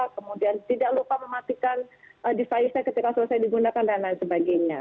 kemudian tidak lupa mematikan desize ketika selesai digunakan dan lain sebagainya